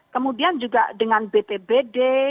kemudian juga dengan btbd